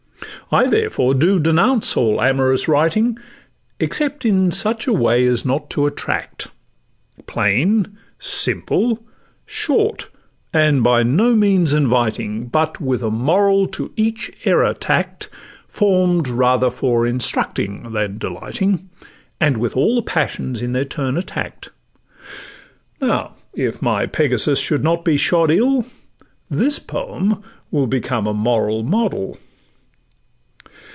I therefore do denounce all amorous writing, Except in such a way as not to attract; Plain—simple—short, and by no means inviting, But with a moral to each error tack'd, Form'd rather for instructing than delighting, And with all passions in their turn attack'd; Now, if my Pegasus should not be shod ill, This poem will become a moral model.